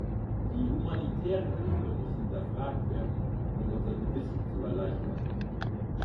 Die humanitäre Hilfe muss hinterfragt werden, um unser Gewissen zu erleichtern.